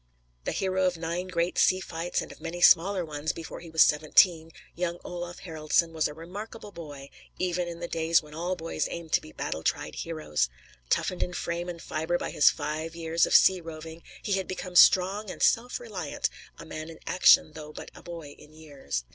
The hero of nine great sea fights, and of many smaller ones, before he was seventeen, young Olaf Haraldson was a remarkable boy, even in the days when all boys aimed to be battle tried heroes. Toughened in frame and fibre by his five years of sea roving, he had become strong and self reliant, a man in action though but a boy in years.